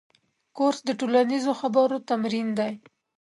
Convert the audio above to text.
کورس د ټولنیزو خبرو تمرین دی.